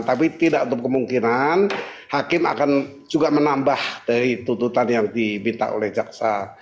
tapi tidak untuk kemungkinan hakim akan juga menambah dari tututan yang diminta oleh jaksa